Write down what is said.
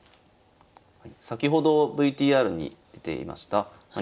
先ほどＶＴＲに出ていました